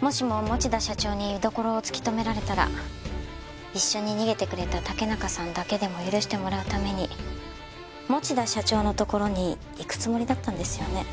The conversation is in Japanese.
もしも持田社長に居所を突き止められたら一緒に逃げてくれた竹中さんだけでも許してもらうために持田社長の所に行くつもりだったんですよね？